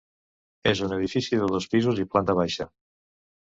És un edifici de dos pisos i planta baixa.